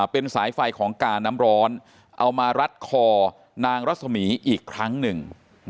เป็นสายไฟของกาน้ำร้อนเอามารัดคอนางรัศมีอีกครั้งหนึ่ง